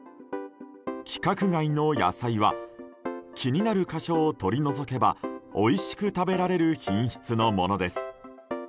規格外の野菜は気になる箇所を取り除けばおいしく食べられる品質のものです。